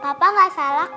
papa gak salah kok